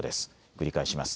繰り返します。